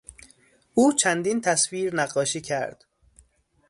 او چندین تصویر نقاشی کرد.